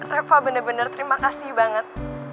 eva benar benar terima kasih banget